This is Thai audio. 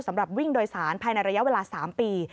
สำหรับวิ่งโดยสารภายในระยะเวลา๓ปี